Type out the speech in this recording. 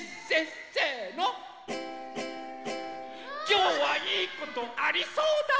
きょうはいいことありそうだ！